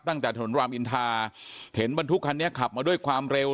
ตั้งแต่ถนนรามอินทาเห็นบรรทุกคันนี้ขับมาด้วยความเร็ว